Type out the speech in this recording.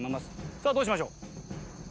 さあどうしましょう？